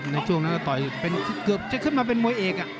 ในช่วงนั้นก็ผ่นมาเป็นมวยเอก